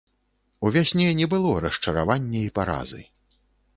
У вясне не было расчаравання і паразы.